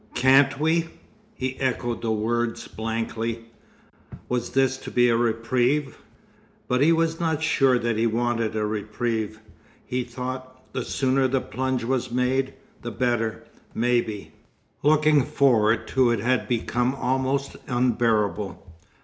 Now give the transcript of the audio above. "Can't we?" he echoed the words blankly. Was this to be a reprieve? But he was not sure that he wanted a reprieve. He thought, the sooner the plunge was made, the better, maybe. Looking forward to it had become almost unbearable.